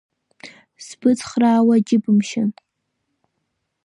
Сбыцхраауа џьыбымшьан.